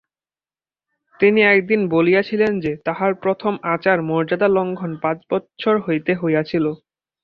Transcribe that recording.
তিনি একদিন বলিয়াছিলেন যে, তাঁহার প্রথম আচার-মর্যাদালঙ্ঘন পাঁচ বৎসর বয়সে হইয়াছিল।